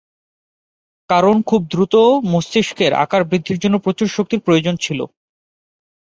কারণ খুব দ্রুত মস্তিষ্কের আকার বৃদ্ধির জন্য প্রচুর শক্তির প্রয়োজন ছিল।